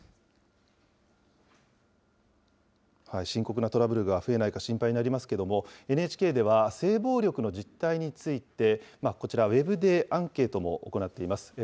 深刻なトラブルが増えないか心配になりますけれども、ＮＨＫでは、性暴力の実態について、こちら、ウェブでアンケートも行っています。